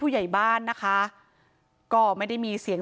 พูดใหญ่บ้านเคยขู่ถึงขั้นจะฆ่าให้ตายด้วยค่ะ